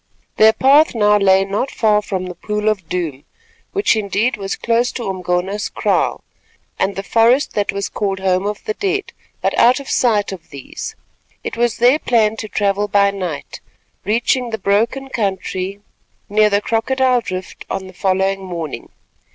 Their path now lay not far from the Pool of Doom, which, indeed, was close to Umgona's kraal, and the forest that was called Home of the Dead, but out of sight of these. It was their plan to travel by night, reaching the broken country near the Crocodile Drift on the following morning.